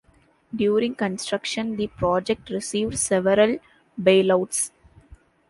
During construction, the project received several bailouts.